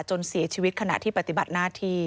จนเสียชีวิตขณะที่ปฏิบัติหน้าที่